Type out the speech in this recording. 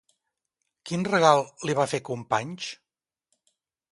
Quin regal li va fer Companys?